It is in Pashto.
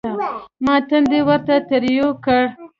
ما تندى ورته تريو کړ.